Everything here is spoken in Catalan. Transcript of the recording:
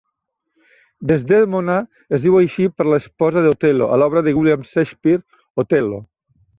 Desdèmona es diu així per l'esposa d'Otel·lo a l'obra de William Shakespeare 'Otel·lo'.